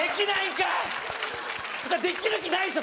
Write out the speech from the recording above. つうかできる気ないでしょ